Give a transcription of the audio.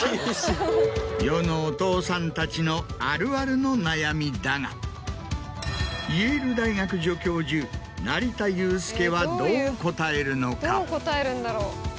世のお父さんたちのあるあるの悩みだがイェール大学助教授成田悠輔はどう答えるのか？